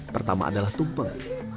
pertama adalah tumpeng